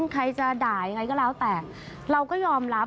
ใครจะด่ายังไงก็แล้วแต่เราก็ยอมรับ